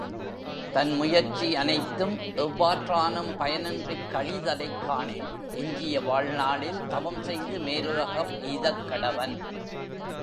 தன் முயற்சி அனைத்தும் எவ்வாற்றானும் பயனின்றிக் கழிதலைக் காணின் எஞ்சிய வாழ்நாளில் தவம் செய்து மேலுலகம் எய்தக்கடவன்.